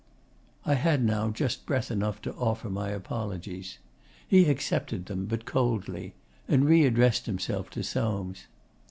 I had now just breath enough to offer my apologies. He accepted them, but coldly, and re addressed himself to Soames.